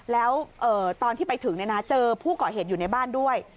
แล้วตอนที่ไปถึงเจอผู้ก่อเหตุอยู่ในบ้านด้วย